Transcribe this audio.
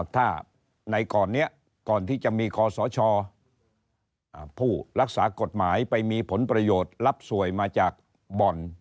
ถ้าในก่อนนี้ก่อนที่จะมีคอสชผู้รักษากฎหมายไปมีผลประโยชน์รับสวยมาจากบ่อน